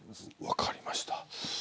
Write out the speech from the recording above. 分かりました。